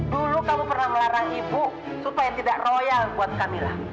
dulu kamu pernah melarang ibu supaya tidak royal buat kami lah